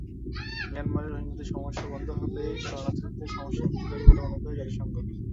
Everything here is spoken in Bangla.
মিয়ানমারে রোহিঙ্গাদের সমস্যা বন্ধ হলেই শরণার্থীদের সমস্যা মিটে যাবে বলে মনে করে জাতিসংঘ।